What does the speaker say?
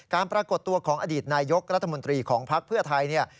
การปรากฏตัวของอดีตนายยกรัฐมนตรีของพลักษณ์เพื่อไทย